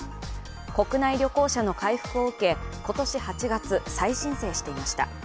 国内旅行者の回復を受け、今年８月、再申請していました。